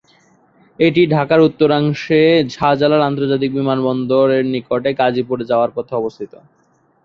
এটি ঢাকার উত্তরাংশে শাহজালাল আন্তর্জাতিক বিমানবন্দর এর নিকটে গাজীপুরে যাওয়ার পথে অবস্থিত।